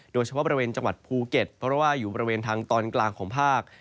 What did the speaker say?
โดยเฉพาะบริเวณจังหวัดภูเก็ตเพราะว่าอยู่บริเวณทางตอนกลางของภาค